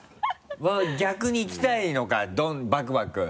逆にいきたいのかバクバク。